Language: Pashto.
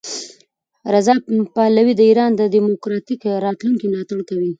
رضا پهلوي د ایران د دیموکراتیک راتلونکي ملاتړ کوي.